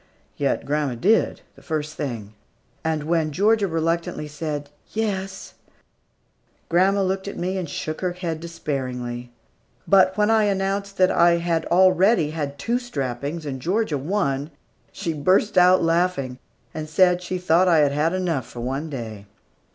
Yet grandma did, the first thing. And when Georgia reluctantly said, "Yes," grandma looked at me and shook her head despairingly; but when I announced that I had already had two strappings, and Georgia one, she burst out laughing, and said she thought I had had enough for one day.